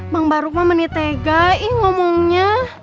bang farouk mah menitegahin ngomongnya